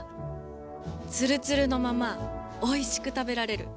つるつるのままおいしく食べられる。